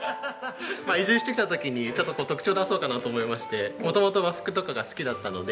移住してきた時にちょっとこう特徴出そうかなと思いまして元々和服とかが好きだったので。